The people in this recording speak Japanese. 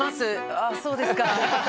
ああそうですか。